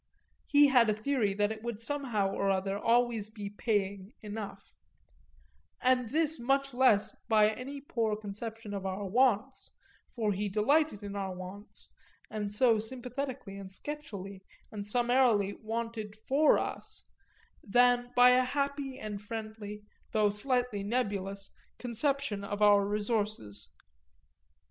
He had a theory that it would somehow or other always be paying enough and this much less by any poor conception of our wants (for he delighted in our wants and so sympathetically and sketchily and summarily wanted for us) than by a happy and friendly, though slightly nebulous, conception of our resources.